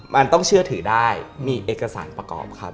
มันต้องเชื่อถือได้มีเอกสารประกอบครับ